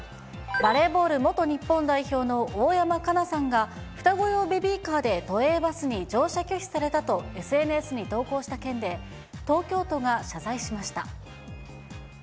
バレーボール元日本代表の大山加奈さんが、双子用ベビーカーで都営バスに乗車拒否されたとＳＮＳに投稿した件で、東京都が謝罪しました。